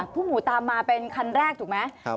ผู้หมู่ตามมาเป็นคันแรกถูกไหม